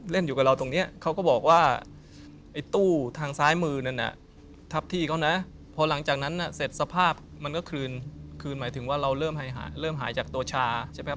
เล่นอยู่กับเราตรงนี้เขาก็บอกว่าไอ้ตู้ทางซ้ายมือนั้นน่ะทับที่เขานะพอหลังจากนั้นเสร็จสภาพมันก็คืนหมายถึงว่าเราเริ่มหายจากตัวชาใช่ไหมครับ